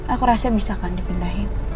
aku rasa bisa kan dipindahin